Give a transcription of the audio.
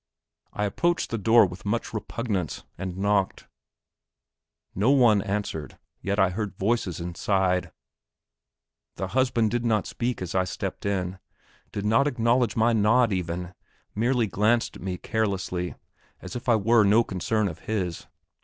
I approached the door with much repugnance, and knocked. No one answered, yet I heard voices inside. The husband did not speak as I stepped in, did not acknowledge my nod even, merely glanced at me carelessly, as if I were no concern of his.